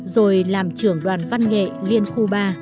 rồi làm trưởng đoàn văn nghệ liên khu ba